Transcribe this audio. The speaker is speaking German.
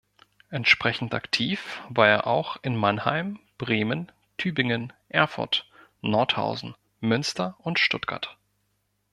Entsprechend aktiv war er auch in Mannheim, Bremen Tübingen, Erfurt, Nordhausen, Münster und Stuttgart.